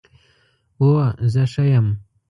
هو، زه ښه یم